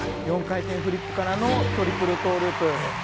４回転フリップからのトリプルトウループ。